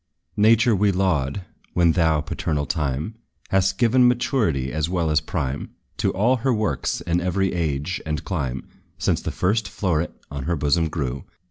Nature we laud, when thou, paternal Time, Hast given maturity, as well as prime, To all her works, in every age and clime, Since the first floweret on her bosom grew.